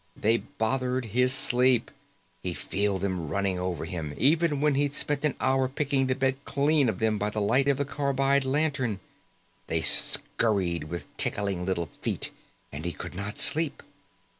They bothered his sleep. He'd feel them running over him, even when he'd spent an hour picking the bed clean of them by the light of the carbide lantern. They scurried with tickling little feet and he could not sleep.